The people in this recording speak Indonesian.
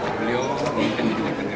beliau ini kan jadi penerbitan dan presiden